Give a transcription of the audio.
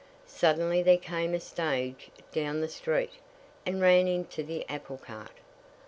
Suddenly there came a stage down the street, and ran into the apple cart."